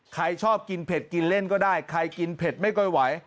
ใครชอบกินเผ็ดกินเล่นก็ได้ใครกินเผ็ดไม่ค่อยไหว